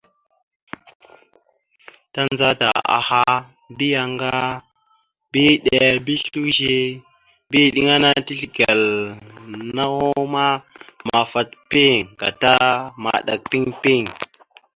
Tandzata aha bi aŋgar bi eɗel bi slʉze bi iɗeŋa ana teslekal naw ma, amafat piŋ gata maɗak piŋ piŋ.